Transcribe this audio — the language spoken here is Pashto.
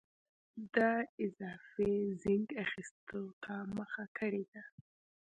د اضافي زېنک اخیستو ته مخه کړې ده.